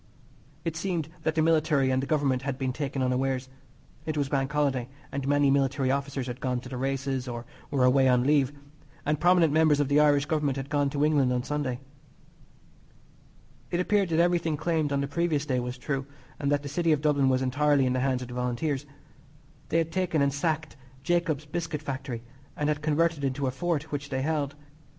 It seemed that the Military and the Government had been taken unawares. It was Bank Holiday, and many military officers had gone to the races, or were away on leave, and prominent members of the Irish Government had gone to England on Sunday. It appeared that everything claimed on the previous day was true, and that the City of Dublin was entirely in the hands of the Volunteers. They had taken and sacked Jacob's Biscuit Factory, and had converted it into a fort which they held.